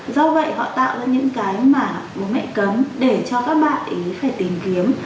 do vậy họ tạo ra những cái mà bố mẹ cấm để cho các bạn ý phải tìm kiếm